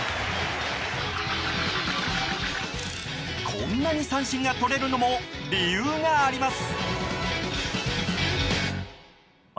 こんなに三振がとれるのも理由があります。